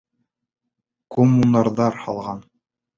Коммунарҙар һалған!